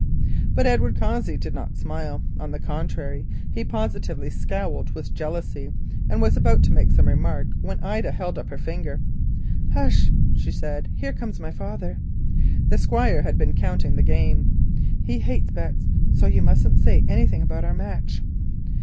But Edward Cossey did not smile; on the contrary he positively scowled with jealousy, and was about to make some remark when Ida held up her finger. "Hush," she said, "here comes my father" (the Squire had been counting the game); "he hates bets, so you mustn't say anything about our match."